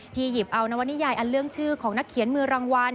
หยิบเอานวนิยายอันเรื่องชื่อของนักเขียนมือรางวัล